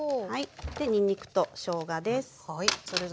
でにんにくとしょうがです。